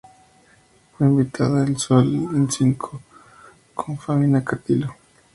Fue invitada en "Sol en cinco" con Fabiana Cantilo.